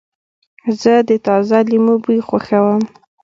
زه د تازه لیمو بوی خوښوم.